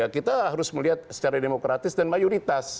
kita harus melihat secara demokratis dan mayoritas